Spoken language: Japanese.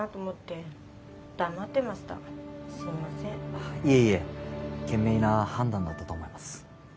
あっいえいえ賢明な判断だったと思います。